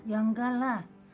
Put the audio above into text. ya enggak lah